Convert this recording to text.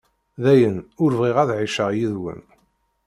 Dayen, ur bɣiɣ ad εiceɣ yid-wen.